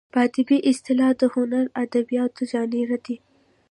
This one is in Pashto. په ادبي اصطلاح د هنري ادبیاتو ژانر دی.